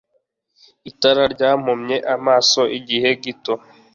Itara ryampumye amaso igihe gito.